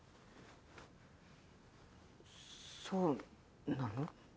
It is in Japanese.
そうなの？